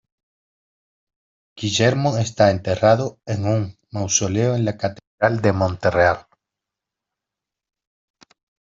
Guillermo está enterrado en un mausoleo en la Catedral de Monreale.